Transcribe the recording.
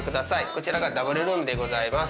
こちらがダブルルームでございます